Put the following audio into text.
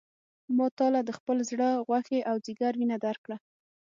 ما تا له خپل زړه غوښې او ځیګر وینه درکړه.